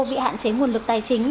bị hạn chế nguồn lực tài chính